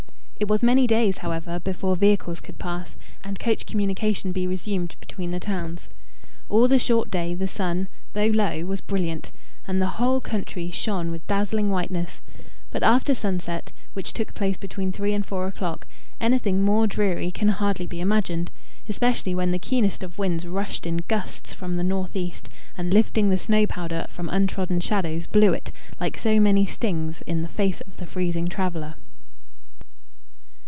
It was many days, however, before vehicles could pass, and coach communication be resumed between the towns. All the short day, the sun, though low, was brilliant, and the whole country shone with dazzling whiteness; but after sunset, which took place between three and four o'clock, anything more dreary can hardly be imagined, especially when the keenest of winds rushed in gusts from the north east, and lifting the snow powder from untrodden shadows, blew it, like so many stings, in the face of the freezing traveller.